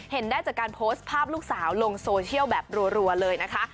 ได้จากการโพสต์ภาพลูกสาวลงโซเชียลแบบรัวเลยนะคะ